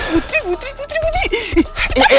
putri putri putri